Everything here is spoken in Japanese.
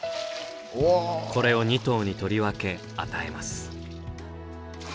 これを２頭に取り分け与えます。